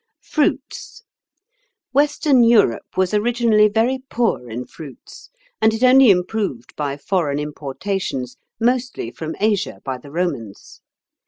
Fruits. Western Europe was originally very poor in fruits, and it only improved by foreign importations, mostly from Asia by the Romans.